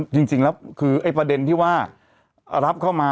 จริงแล้วคือไอ้ประเด็นที่ว่ารับเข้ามา